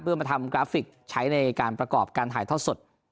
เพื่อมาทำกราฟิกใช้ในการประกอบการถ่ายทอดสด